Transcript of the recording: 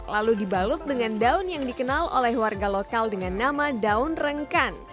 lalu dibalut dengan daun yang dikenal oleh warga lokal dengan nama daun rengkan